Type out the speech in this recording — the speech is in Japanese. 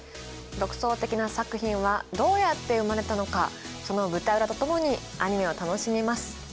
独創的な作品はどうやって生まれたのかその舞台裏とともにアニメを楽しみます。